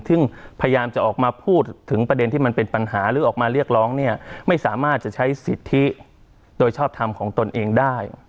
ซึ่งพยายามจะออกมาพูดถึงประเด็นที่มันเป็นปัญหาหรือออกมาเรียกร้องเนี่ยไม่สามารถจะใช้สิทธิโดยชอบทำของตนเองได้